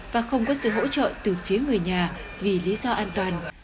và không có sự hỗ trợ từ phía người nhà vì lý do an toàn